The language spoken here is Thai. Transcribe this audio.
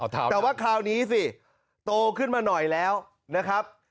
แต่ว่าคราวนี้สิโตขึ้นมาหน่อยแล้วนะครับ